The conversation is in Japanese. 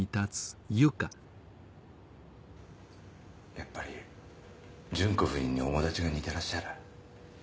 やっぱり純子夫人に面だちが似てらっしゃる。